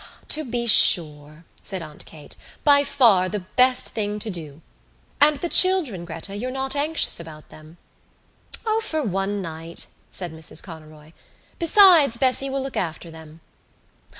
"To be sure," said Aunt Kate, "by far the best thing to do. And the children, Gretta, you're not anxious about them?" "O, for one night," said Mrs Conroy. "Besides, Bessie will look after them."